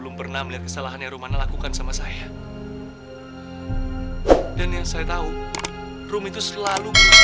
belum pernah melihat kesalahan yang rumana lakukan sama saya dan yang saya tahu rum itu selalu